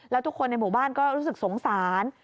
แล้วทุกคนในหมู่บ้านก็รู้สึกสงสาร